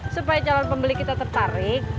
supaya calon pembeli kita tertarik